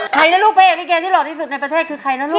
ใครนะลูกพระเอกลิเกที่หล่อที่สุดในประเทศคือใครนะลูก